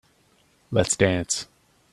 Let's dance.